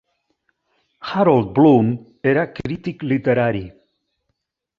Harold Bloom era crític literari